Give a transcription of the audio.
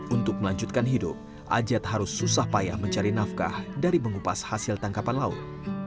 untuk melanjutkan hidup ajat harus susah payah mencari nafkah dari mengupas hasil tangkapan laut